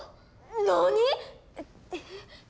何！？